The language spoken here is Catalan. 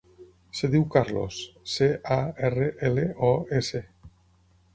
Es diu Carlos: ce, a, erra, ela, o, essa.